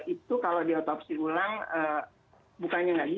itu kalau di otopsi ulang bukannya tidak bisa sih